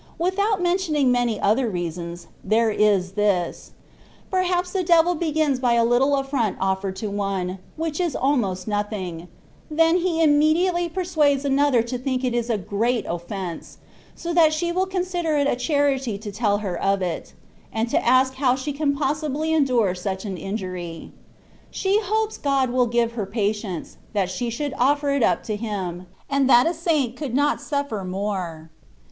Without men tioning many other reasons, there is this : perhaps the devil begins by a little aflfront oflfered to one, which is almost nothing ; then he immediately per suades another to think it is a great offence, so that she will consider it a charity to tell her of it, and to ask how she can possibly endure such an in jury ? She hopes God will give her patience, that she should offer it up to Him, and that a saint could not suffer more.